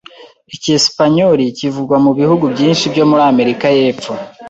Icyesipanyoli kivugwa mu bihugu byinshi byo muri Amerika y'Epfo.